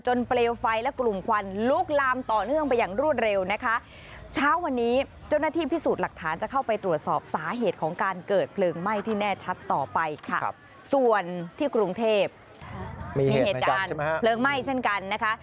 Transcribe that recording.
วันที่กรุงเทพฯมีเหตุการณ์เพลิงไหม้เช่นกันนะคะ